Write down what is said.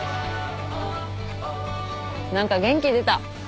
何か元気出た。